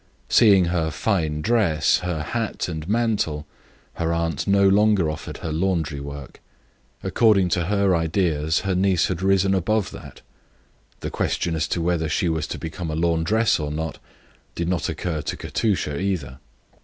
Seeing her fine dress, her hat, and mantle, her aunt no longer offered her laundry work. As she understood things, her niece had risen above that sort of thing. The question as to whether she was to become a laundress or not did not occur to Katusha, either.